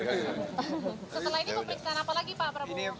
setelah ini pemeriksaan apa lagi pak prabowo